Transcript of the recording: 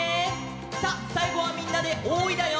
さあさいごはみんなで「おーい」だよ！